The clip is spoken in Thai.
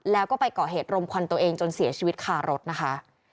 แล้วก็ไปก่อเหตุรมควันตัวเองจนเสียชีวิตคารถนะคะ